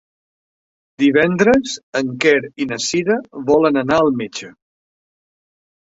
Divendres en Quer i na Cira volen anar al metge.